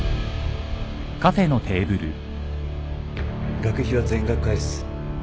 学費は全額返す。